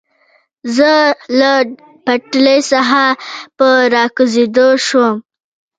زه له پټلۍ څخه په را کوزېدو شوم.